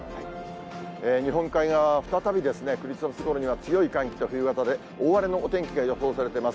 日本海側は再び、クリスマスごろには強い寒気と冬型で大荒れのお天気が予想されてます。